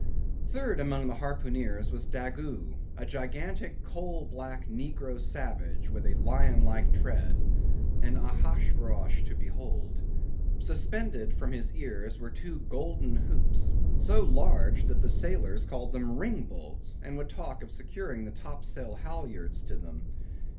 Third among the harpooneers was Daggoo, a gigantic, coal black negro savage, with a lion like tread—an Ahasuerus to behold. Suspended from his ears were two golden hoops, so large that the sailors called them ring bolts, and would talk of securing the top sail halyards to them.